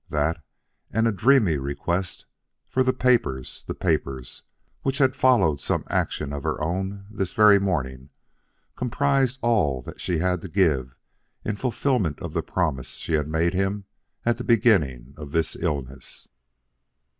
That and a dreamy request for "The papers! the papers!" which had followed some action of her own this very morning comprised all she had to give in fulfillment of the promise she had made him at the beginning of this illness.